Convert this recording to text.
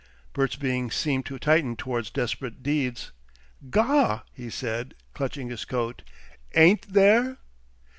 Bert's being seemed to tighten towards desperate deeds. "Gaw!" he said, clutching his coat, "AIN'T there?"